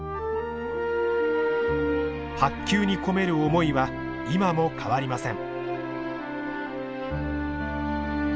白球に込める思いは今も変わりません。